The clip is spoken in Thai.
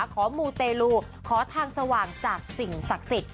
มูเตลูขอทางสว่างจากสิ่งศักดิ์สิทธิ์